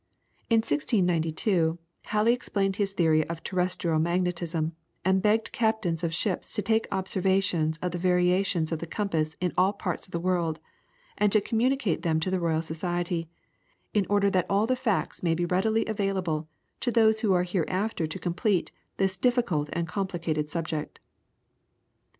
In 1692, Halley explained his theory of terrestrial magnetism, and begged captains of ships to take observations of the variations of the compass in all parts of the world, and to communicate them to the Royal Society, "in order that all the facts may be readily available to those who are hereafter to complete this difficult and complicated subject."